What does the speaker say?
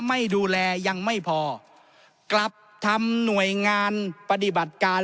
ไม่ดูแลยังไม่พอกลับทำหน่วยงานปฏิบัติการ